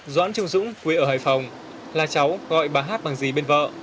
doãn trung dũng quê ở hải phòng là cháu gọi bà hát bằng dì bên vợ